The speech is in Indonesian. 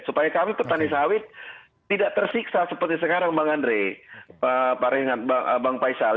supaya kami petani sawit tidak tersiksa seperti sekarang bang andre bang faisal